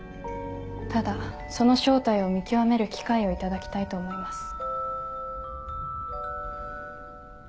ただその正体を見極める機会を頂きたいと思います。